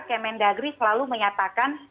kementdagri selalu menyatakan